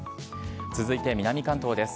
続いて南関東です。